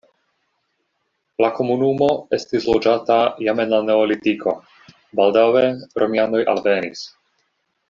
La komunumo estis loĝata jam en la neolitiko, baldaŭe romianoj alvenis.